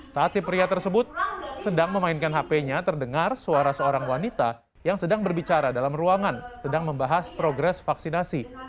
saat si pria tersebut sedang memainkan hp nya terdengar suara seorang wanita yang sedang berbicara dalam ruangan sedang membahas progres vaksinasi